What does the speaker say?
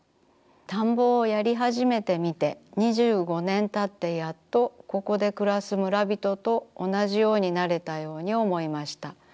田んぼをやりはじめてみて２５年たってやっとここでくらす村びととおなじようになれたように思いました。